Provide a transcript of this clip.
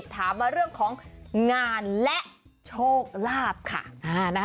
ถามมาเรื่องของงานและโชคลาภค่ะ